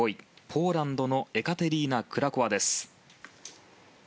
ポーランドのエカテリーナ・クラコワです。